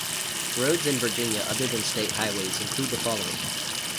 Roads in Virginia other than state highways include the following.